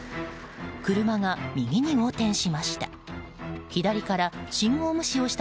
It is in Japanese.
車が右に横転しました。